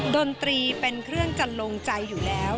ดนตรีเป็นเครื่องจันลงใจอยู่แล้ว